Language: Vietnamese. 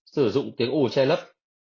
sử dụng tiếng ủ che lấp